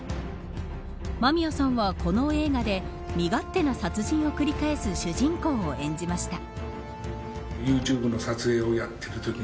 間宮さんは、この映画で身勝手な殺人を繰り返す主人公を演じました。